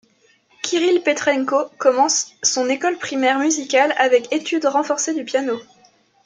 Kirill Petrenko commence son école primaire musicale avec études renforcées du piano.